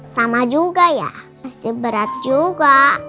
sama juga ya pasti berat juga